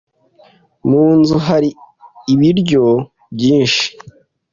Mu nzu hari ibiryo byinshi.